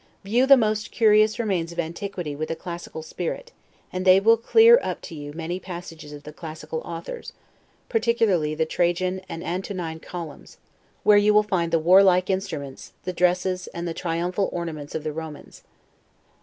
View the most curious remains of antiquity with a classical spirit; and they will clear up to you many passages of the classical authors; particularly the Trajan and Antonine Columns; where you find the warlike instruments, the dresses, and the triumphal ornaments of the Romans.